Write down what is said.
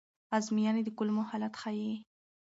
ازموینې د کولمو حالت ښيي.